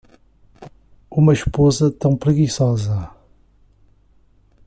Uma esposa tão preguiçosa